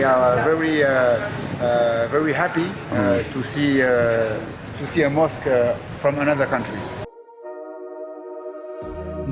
dan kami sangat senang melihat masjid dari negara lain